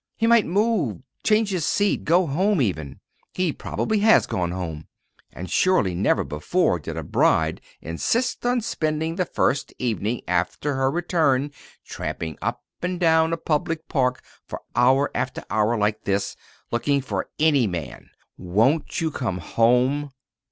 He might move change his seat go home, even. He probably has gone home. And surely never before did a bride insist on spending the first evening after her return tramping up and down a public park for hour after hour like this, looking for any man. Won't you come home?"